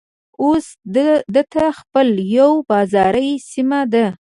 اوس دته خېل يوه بازاري سيمه ده.